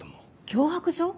脅迫状！？